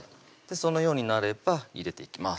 そのようになれば入れていきます